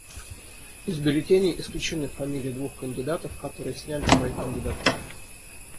Из бюллетеней исключены фамилии двух кандидатов, которые сняли свои кандидатуры.